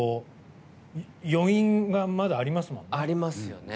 余韻がまだありますもんね。